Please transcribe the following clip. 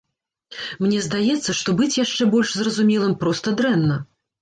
Мне здаецца, што быць яшчэ больш зразумелым проста дрэнна.